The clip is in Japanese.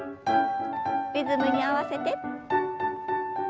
リズムに合わせて。